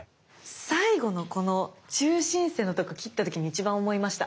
最後のこの中心線のとこ切った時に一番思いました。